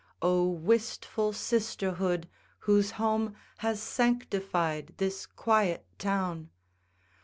Oh, wistful sisterhood, whose home Has sanctified this quiet town!